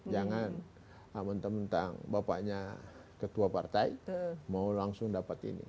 jangan mentang mentang bapaknya ketua partai mau langsung dapat ini